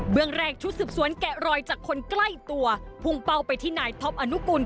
เมืองแรกชุดสืบสวนแกะรอยจากคนใกล้ตัวพุ่งเป้าไปที่นายท็อปอนุกุล